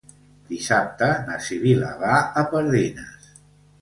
Dissabte na Sibil·la va a Pardines.